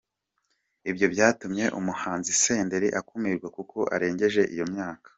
Ibyo byatumye umuhanzi Senderi akumirwa kuko arengeje iyo myaka.